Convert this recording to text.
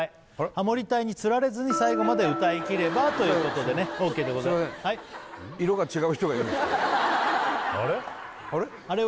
ハモリ隊につられずに最後まで歌いきればということでねＯＫでございますすいませんあれ？